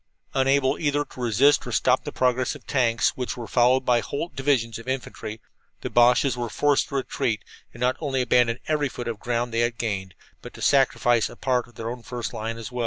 Unable either to resist or to stop the progress of the tanks, which were followed by whole divisions of infantry, the Boches were forced to retreat and not only abandon every foot of the ground they had gained, but to sacrifice a part of their own first line as well.